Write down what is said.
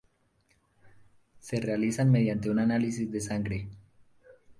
Se realizan mediante un análisis de sangre.